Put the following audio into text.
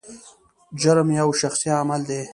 جرم یو شخصي عمل دی.